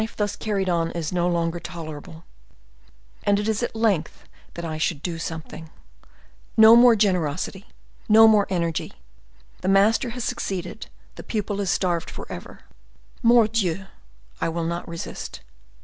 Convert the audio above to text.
Life thus carried on is no longer tolerable, and it is at length time that I should do something! No more generosity, no more energy! The master has succeeded, the pupil is starved forever. Mordioux! I will not resist.